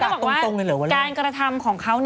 แล้วฉันบอกว่าการกรรธรรมของเขา